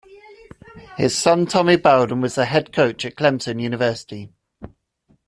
His son Tommy Bowden was the head coach at Clemson University.